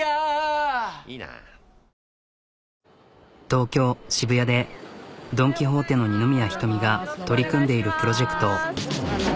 東京渋谷でドン・キホーテの二宮仁美が取り組んでいるプロジェクト。